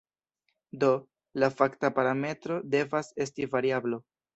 Do, la fakta parametro devas esti variablo.